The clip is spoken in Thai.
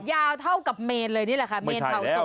ยาวเท่ากับเมนเลยนี่ไหละค่ะ